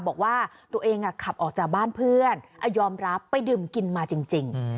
บอกว่าตัวเองขับออกจากบ้านเพื่อนยอมรับไปดื่มกินมาจริง